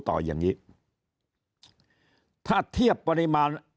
ต่ออย่างนี้ถ้าเทียบปริมาณ